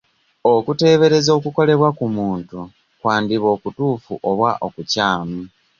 Okuteebereza okukolebwa ku muntu kwandiba okutuufu oba okukyamu.